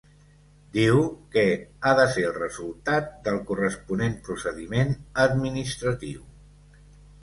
Diu que “ha de ser el resultat del corresponent procediment administratiu”.